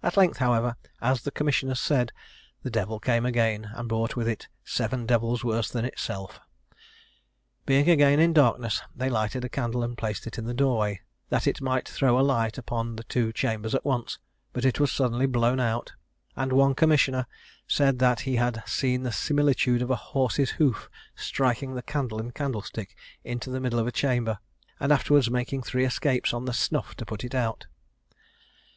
At length, however, as the commissioners said, "the devil came again, and brought with it seven devils worse than itself." Being again in darkness, they lighted a candle and placed it in the doorway that it might throw a light upon the two chambers at once; but it was suddenly blown out, and one commissioner said that he had "seen the similitude of a horse's hoof striking the candle and candlestick into the middle of the chamber, and afterwards making three escapes on the snuff to put it out."